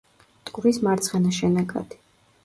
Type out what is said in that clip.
მტკვრის მარცხენა შენაკადი.